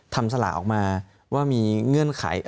สละออกมาว่ามีเงื่อนไข